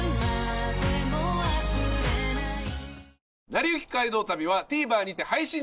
『なりゆき街道旅』はＴＶｅｒにて配信中です。